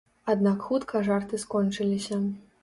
Аднак хутка жарты скончыліся.